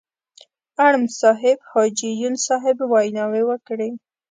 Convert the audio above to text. اړم صاحب، حاجي یون صاحب ویناوې وکړې.